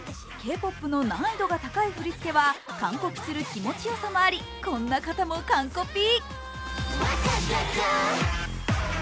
Ｋ−ＰＯＰの難易度が高い振り付けは完コピする気持ちよさがありこんな方も完コピ。